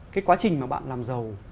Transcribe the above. cái quá trình mà bạn làm giàu